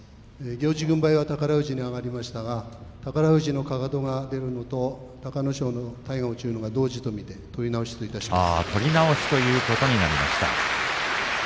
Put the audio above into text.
行司軍配は宝富士に上がりましたが宝富士のかかとが出るのと隆の勝の体が落ちるのが同時と見て取り直しといたします。